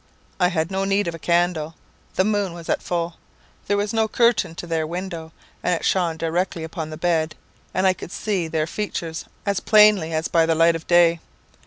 I had no need of a candle, the moon was at full; there was no curtain to their window, and it shone directly upon the bed, and I could see their features as plainly as by the light of day.